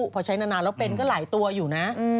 พอใช้นานแล้วเป็นก็หลายตัวอยู่นะ